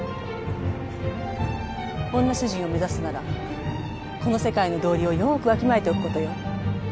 女主人を目指すならこの世界の道理をよくわきまえておくことよ。